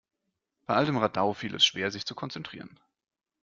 Bei all dem Radau fiel es schwer, sich zu konzentrieren.